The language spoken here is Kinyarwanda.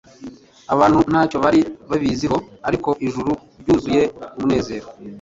Abantu ntacyo bari babiziho, ariko ijuru ryuzuye umunezero.